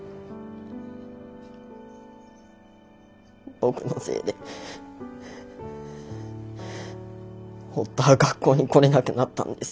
僕のせいで堀田は学校に来れなくなったんです。